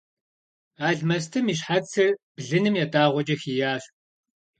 Алмэстым и щхьэцыр блыным ятӏагъуэкӏэ хийящ.